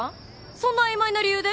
そんな曖昧な理由で？